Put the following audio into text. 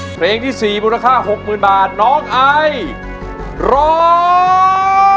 เพลงที่๔มูลค่า๖๐๐๐บาทน้องไอร้อง